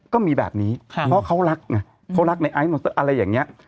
ก็มีแบบนี้เพราะเขารักไงเขารักในไอซ์อะไรอย่างนี้